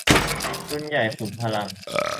รุ่นใหญ่ขุมพลัง